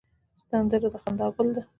سندره د خندا ګل ده